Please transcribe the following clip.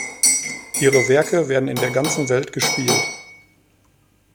Ihre Werke werden in der ganzen Welt gespielt.